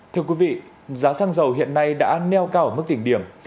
thưa quý vị giá xăng dầu hiện nay đã neo cao ở mức đỉnh điểm